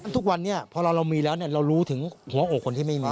ทุกวันนี้พอเรามีแล้วเรารู้ถึงหัวอกคนที่ไม่มี